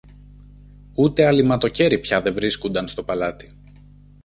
ούτε αλειμματοκέρι πια δε βρίσκουνταν στο παλάτι.